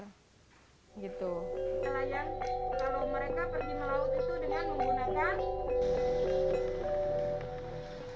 nelayan kalau mereka pergi melaut itu dengan menggunakan